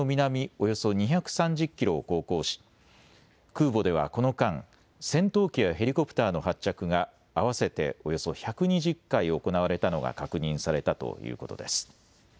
およそ２３０キロを航行し空母ではこの間、戦闘機やヘリコプターの発着が合わせておよそ１２０回行われたのが確認されたということです。